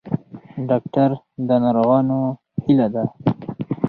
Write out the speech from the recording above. ډاکټر د ناروغانو هیله ده